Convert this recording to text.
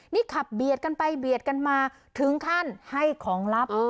นี่ขับเบียดกันไปเบียดกันมาถึงขั้นให้ของลับ